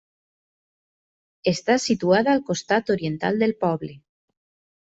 Està situada al costat oriental del poble.